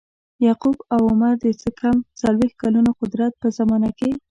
یعقوب او عمرو د څه کم څلویښت کلونو قدرت په زمانه کې.